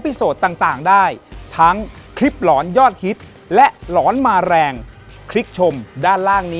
โปรดติดตามตอนต่อไป